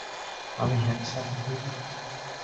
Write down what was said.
আমি হ্যান্ডসাম এডি।